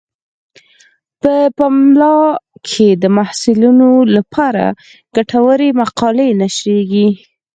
په پملا کې د محصلینو لپاره ګټورې مقالې نشریږي.